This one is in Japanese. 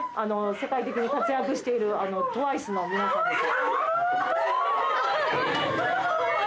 世界的に活躍しているＴＷＩＣＥの皆さんです。